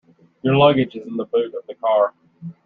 Your luggage is in the boot of the car.